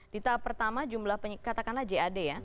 di tahap pertama jumlah katakanlah jad ya